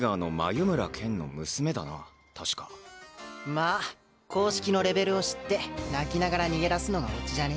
まあ硬式のレベルを知って泣きながら逃げ出すのがオチじゃね？